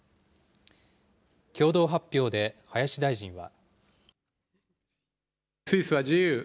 共同発表で林大臣は。